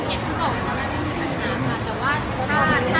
เราเตรียมงานเราไม่มายัง